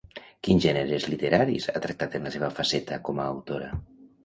Quins gèneres literaris ha tractat en la seva faceta com a autora?